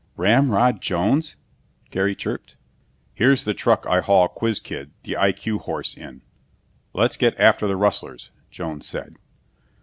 "Ramrod Jones?" Gary chirped. "Here's the truck I haul Quizz kid, the I.Q. Horse, in! Let's get after the rustlers!" Jones said.